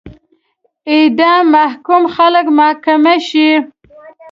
اعدام محکوم خلک محاکمه شي.